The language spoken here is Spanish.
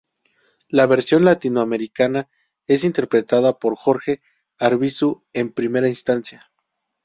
La versión latinoamericana es interpretada por Jorge Arvizu en primera instancia.